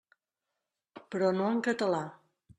Però no en català.